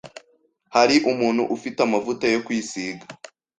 Hari umuntu ufite amavuta yo kwisiga?